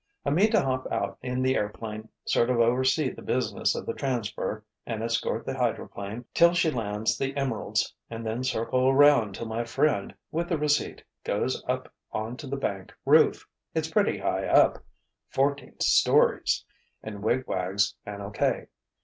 "I mean to hop out in the airplane, sort of oversee the business of the transfer, and escort the hydroplane till she lands the emeralds, and then circle around till my friend, with the receipt, goes up onto the bank roof—it's pretty high up—fourteen stories—and wig wags an O.K.